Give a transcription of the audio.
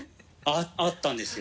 あったんですよ。